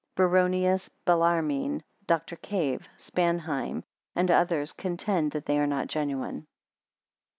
Baronius, Bellarmine, Dr. Cave, Spanheim, and others, contend that they are not genuine.